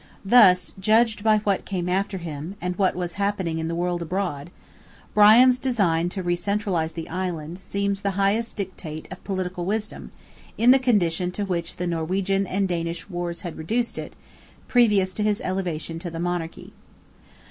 Thus, judged by what came after him, and what was happening in the world abroad, Brian's design to re centralize the island, seems the highest dictate of political wisdom, in the condition to which the Norwegian and Danish wars had reduced it, previous to his elevation to the monarchy.